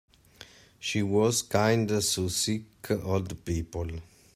She was kind to sick old people.